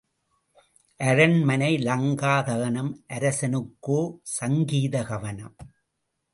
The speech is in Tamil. அரண்மனை லங்கா தகனம் அரசனுக்கோ சங்கீத கவனம்.